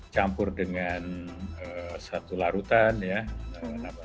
campur dengan satu larutan ya